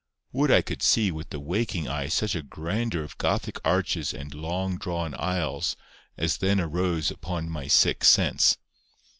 Would I could see with the waking eye such a grandeur of Gothic arches and "long drawn aisles" as then arose upon my sick sense!